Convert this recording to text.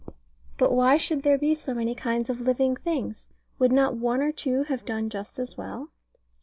But why should there be so many kinds of living things? Would not one or two have done just as well?